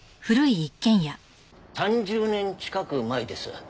３０年近く前です。